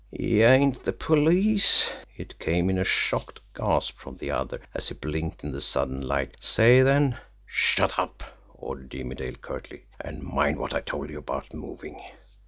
"Y'ain't the police!" it came in a choked gasp from the other, as he blinked in the sudden light "Say then " "Shut up!" ordered Jimmie Dale curtly. "And mind what I told you about moving!"